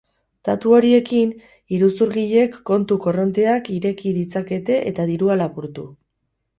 Datu horiekin, iruzurgileek kontu korronteak ireki ditzakete eta dirua lapurtu.